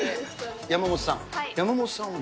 山本さん？